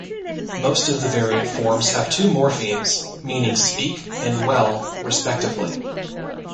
Most of the variant forms have two morphemes, meaning "speak" and "well" respectively.